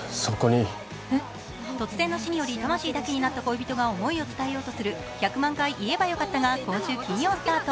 突然の死により魂だけになった恋人が想いを伝えようとする「１００万回言えばよかった」が今週金曜スタート。